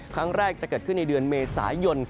ครั้งแรกจะเกิดขึ้นในเดือนเมษายน